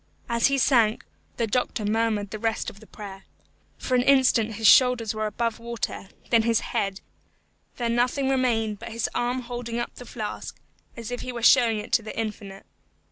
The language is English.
As he sank, the doctor murmured the rest of the prayer. For an instant his shoulders were above water, then his head, then nothing remained but his arm holding up the flask, as if he were showing it to the Infinite.